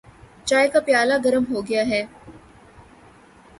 چائے کا پیالہ گرم ہوگیا ہے۔